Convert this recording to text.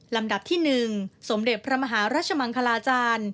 ลำดับที่๑สมเด็จพระมหารัชมังคลาจารย์